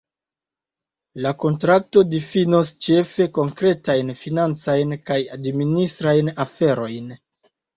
La kontrakto difinos ĉefe konkretajn financajn kaj administrajn aferojn.